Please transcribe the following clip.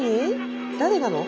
誰なの？